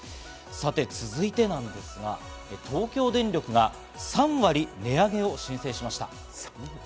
続いてですが、東京電力が３割値上げを申請しました。